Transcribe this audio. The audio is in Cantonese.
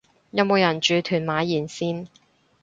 有冇人住屯馬沿線